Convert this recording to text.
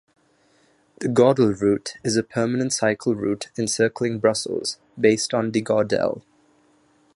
The "Gordelroute" is a permanent cycle route encircling Brussels, based on De Gordel.